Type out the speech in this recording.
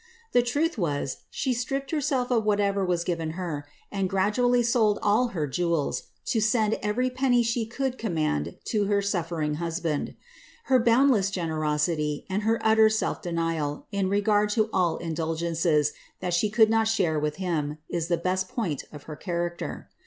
The truth was, she stripped her self of whatever was given her, and gradually sold all her jewels, to •end every penny she could command to her suffering husband; her boundless generosity, and her utter self denial, in regard to all indul gences that she could not share with him, is the best point of her cha iicter.